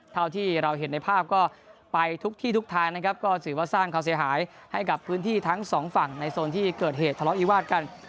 เท่าที่เราเห็นในภาพก็ไปทุกที่ทุกทางนะครับก็ถือว่าสร้างความเสียหายให้กับพื้นที่ทั้งสองฝั่งในโซนที่เกิดเหตุทะเลาะวิวาสกัน